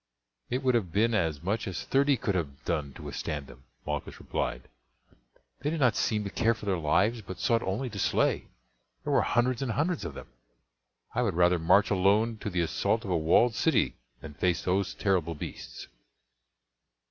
"It would have been as much as thirty could have done to withstand them," Malchus replied; "they did not seem to care for their lives, but sought only to slay. There were hundreds and hundreds of them. I would rather march alone to the assault of a walled city than face those terrible beasts."